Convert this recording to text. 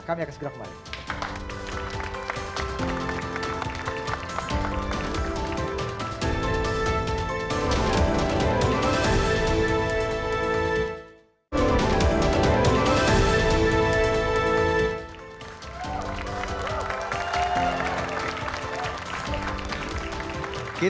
kami akan segera kembali